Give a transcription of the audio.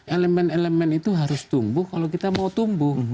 elemen elemen itu harus tumbuh kalau kita mau tumbuh